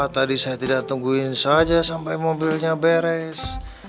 tadi saya tidak tungguin saja sampai mobilnya beres